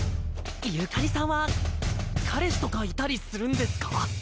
ユカリさんは彼氏とかいたりするんですか？